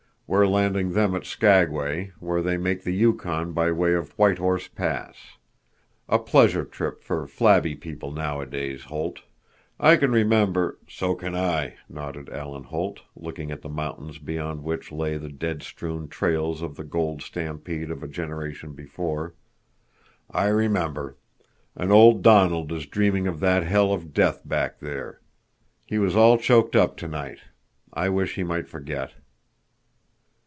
We're landing them at Skagway, where they make the Yukon by way of White Horse Pass. A pleasure trip for flabby people nowadays, Holt. I can remember—" "So can I," nodded Alan Holt, looking at the mountains beyond which lay the dead strewn trails of the gold stampede of a generation before. "I remember. And old Donald is dreaming of that hell of death back there. He was all choked up tonight. I wish he might forget."